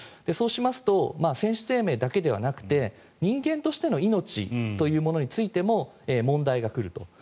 そうしますと選手生命だけではなくて人間としての命というものについても問題が来ると。